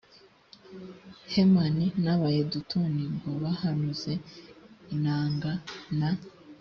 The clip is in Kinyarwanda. hemani n aba yedutuni ngo bahanuze inanga na